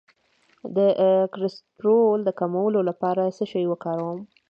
د کولیسټرول د کمولو لپاره څه شی وکاروم؟